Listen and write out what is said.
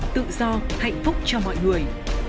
tự do hạnh phúc cho mọi người